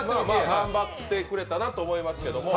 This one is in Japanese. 頑張ってくれたなと思いますけど。